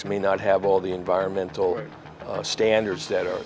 tidak memiliki semua standar lingkungan yang diperhatikan